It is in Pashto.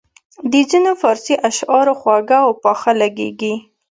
د ځینو فارسي اشعار خواږه او پاخه لګیږي.